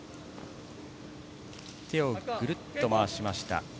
手をぐるっと回しました。